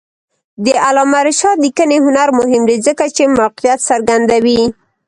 د علامه رشاد لیکنی هنر مهم دی ځکه چې موقعیت څرګندوي.